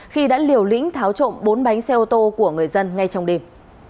khi đã liều lĩnh tháo trộm bốn bánh xe ô tô của người dân ngay trong đêm